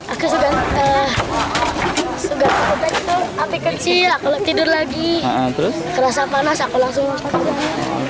api kecil aku tidur lagi terus terasa panas aku langsung tidur lagi